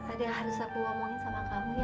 ada yang harus aku omongin sama kamu ya